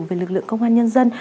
về lực lượng công an nhân dân